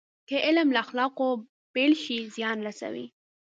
که علم له اخلاقو بېل شي، زیان رسوي.